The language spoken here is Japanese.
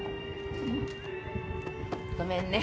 ごめんね。